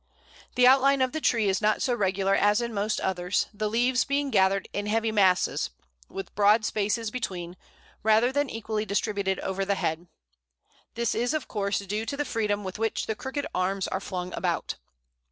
The outline of the tree is not so regular as in most others, the leaves being gathered in heavy masses, with broad spaces between, rather than equally distributed over the head. This is, of course, due to the freedom with which the crooked arms are flung about.